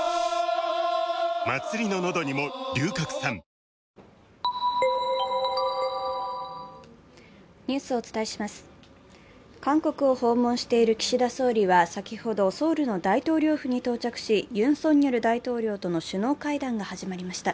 「ロキソニンＳプレミアムファイン」ピンポーン韓国を訪問している岸田総理は先ほどソウルの大統領府に到着しユン・ソンニョル大統領との首脳会談が始まりました。